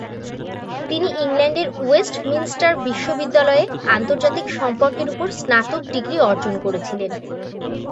তিনি ইংল্যান্ডের ওয়েস্টমিনস্টার বিশ্ববিদ্যালয়ে আন্তর্জাতিক সম্পর্কের উপর স্নাতক ডিগ্রি অর্জন করেছিলেন।